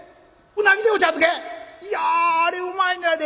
いやあれうまいねやで。